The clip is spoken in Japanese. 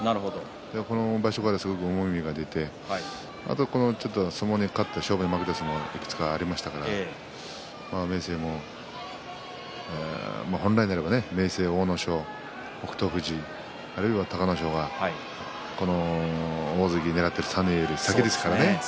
この場所は重みが出て相撲に勝って勝負に負けた相撲がいくつかありましたから明生も本来ならば明生、北勝富士隆の勝大関をねらっている３人より先ですからね。